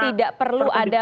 tidak perlu ada